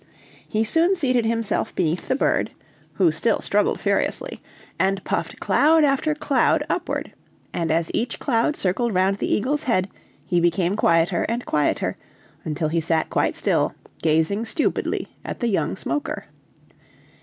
He soon seated himself beneath the bird, who still struggled furiously, and puffed cloud after cloud upward, and as each cloud circled round the eagle's head he became quieter and quieter, until he sat quite still, gazing stupidly at the young smoker.